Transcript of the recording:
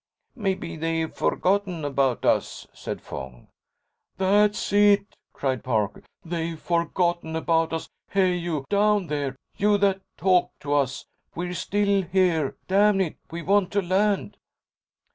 "Maybe they've forgotten about us," said Fong. "That's it!" cried Parker. "They've forgotten about us! Hey, you! Down there—you that talked to us! We're still here, damn it! We want to land!"